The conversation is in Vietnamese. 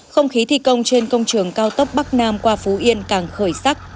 không khí thi công trên công trường cao tốc bắc nam qua phú yên càng khởi sắc